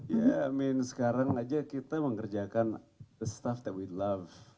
ya i mean sekarang aja kita mengerjakan the stuff that we love